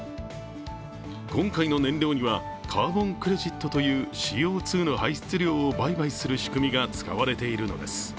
今回の燃料にはカーボンクレジットというＣＯ２の排出量を売買する仕組みが使われているのです。